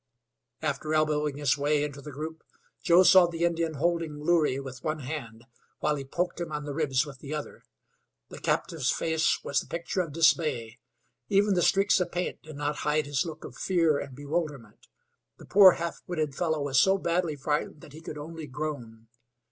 After elbowing his way into the group, Joe saw the Indian holding Loorey with one hand, while he poked him on the ribs with the other. The captive's face was the picture of dismay; even the streaks of paint did not hide his look of fear and bewilderment. The poor half witted fellow was so badly frightened that he could only groan.